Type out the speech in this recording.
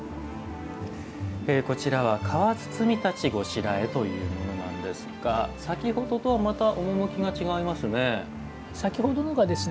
こちらは革包太刀拵というものなんですが先ほどとはまた趣が違いますね。